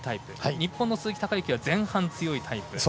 日本の鈴木孝幸は前半強いタイプ。